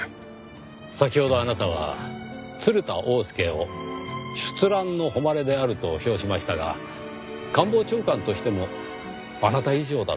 先ほどあなたは鶴田翁助を出藍の誉れであると評しましたが官房長官としてもあなた以上だと？